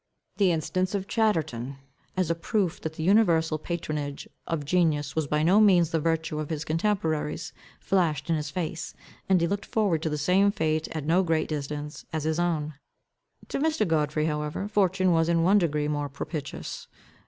The instance of Chatterton, as a proof that the universal patronage of genius was by no means the virtue of his contemporaries, flashed in his face. And he looked forward to the same fate at no great distance, as his own. To Mr. Godfrey however, fortune was in one degree more propitious.